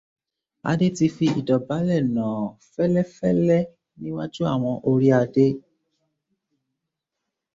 Adé ti fi ìdọ̀bálẹ̀ nàá fẹ́lẹ́fẹ́lẹ́ níwájú àwọn oríadé.